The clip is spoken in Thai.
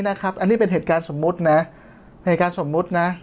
อันนี้เป็นเหตุการณ์สมมุตินะเหตุการณ์สมมุตินะ